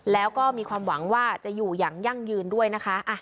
แล้วก็มีความหวังว่าจะอยู่อย่างยั่งยืนด้วยนะคะ